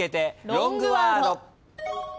ロングワード。